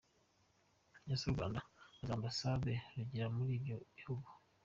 Ese u Rwanda nta za Ambasade rugira muri ibyo bihugu?